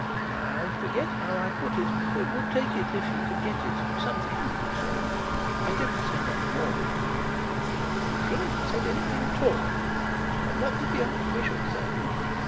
'I forget how I put it, would take it if he could get it; something of that sort. I didn't say much more than that.' 'You shouldn't have said anything at all. And what did the archbishop say?'